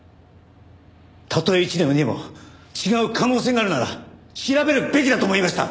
たとえ一でも二でも違う可能性があるなら調べるべきだと思いました！